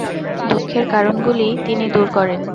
দুঃখের কারণগুলিই তিনি দূর করেন।